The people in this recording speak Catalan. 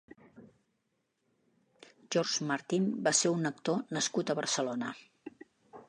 George Martin va ser un actor nascut a Barcelona.